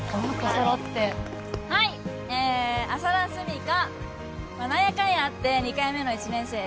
揃ってはいえ浅田澄香なんやかんやあって２回目の１年生です